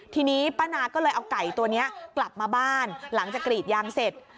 ทีนี้ป้านาก็เลยเอาไก่ตัวนี้กลับมาบ้านหลังจากกรีดยางเสร็จ